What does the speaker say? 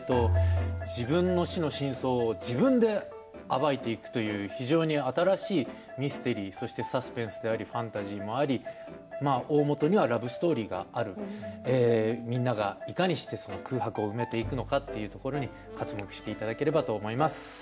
自分の死の真相を自分で暴いていくという非常に新しいミステリーそしてサスペンスでありファンタジーでもありおおもとにはラブストーリーがありみんながいかにして、空白を埋めていくのかというところを見ていただければと思います。